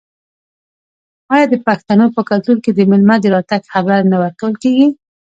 آیا د پښتنو په کلتور کې د میلمه د راتګ خبر نه ورکول کیږي؟